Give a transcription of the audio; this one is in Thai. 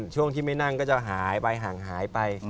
ช่วงที่ไม่นั่งก็จะหายไปห่างหายไป